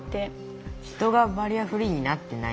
意識がバリアフリーになってない。